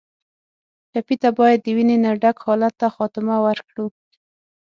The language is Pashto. ټپي ته باید د وینې نه ډک حالت ته خاتمه ورکړو.